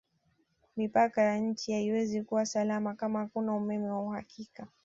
Mipaka ya nchi haiwezi kuwa salama kama hakuna Umeme wa uhakika